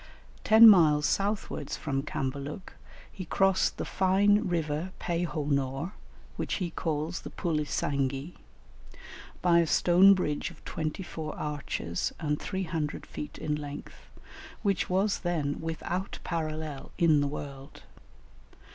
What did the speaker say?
Ten miles southwards from Cambaluc, he crossed the fine river Pe ho nor (which he calls the Pulisanghi), by a stone bridge of twenty four arches, and 300 feet in length, which was then without parallel in the world.